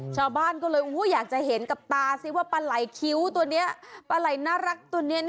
ชาวบ้านก็เลยอยากจะเห็นกับตาซิว่าปลาไหล่คิ้วตัวนี้ปลาไหล่น่ารักตัวนี้